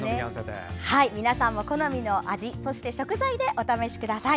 皆さんも好みの味、食材でお試しください。